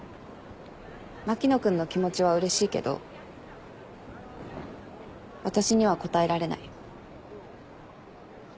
牧野君の気持ちはうれしいけど私には応えられない。